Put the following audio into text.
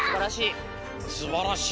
すばらしい。